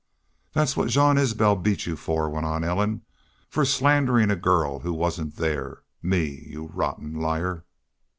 "That's what jean Isbel beat y'u for," went on Ellen. "For slandering a girl who wasn't there.... Me! Y'u rotten liar!"